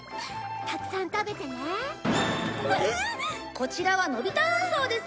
「こちらはのび太運送です。